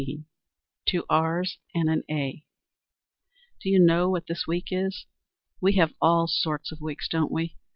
"_ TWO R'S AND AN A Do you know what week this is? We have all sorts of weeks, don't we!